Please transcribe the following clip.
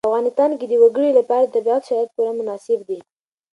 په افغانستان کې د وګړي لپاره طبیعي شرایط پوره مناسب دي.